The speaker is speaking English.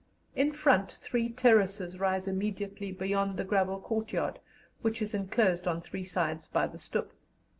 In front three terraces rise immediately beyond the gravel courtyard, which is enclosed on three sides by the stoep.